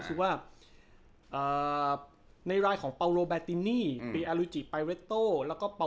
ก็คือว่าอ่าในรายของอืม